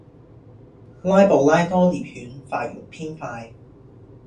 拉布拉多獵犬發育偏快